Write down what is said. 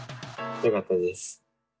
よかったです。